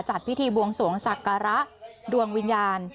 จัดพิธีบวงสวงศักระดวงวิญญาณ